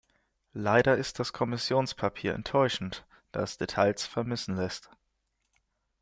Leider ist das Kommissionspapier enttäuschend, da es Details vermissen lässt.